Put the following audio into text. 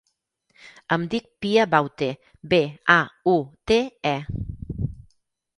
Em dic Pia Baute: be, a, u, te, e.